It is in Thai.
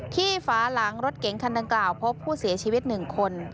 ฝาหลังรถเก๋งคันดังกล่าวพบผู้เสียชีวิต๑คน